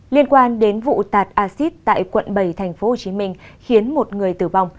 liên quan đến vụ tạt acid tại quận bảy tp hcm khiến một người tử vong